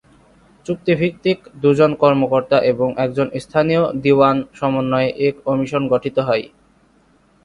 চুক্তিভিত্তিক দুজন কর্মকর্তা এবং একজন স্থানীয় দীউয়ান সমন্বয়ে এ কমিশন গঠিত হয়।